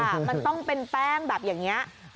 มันต้องเป็นแป้งแบบอย่างนี้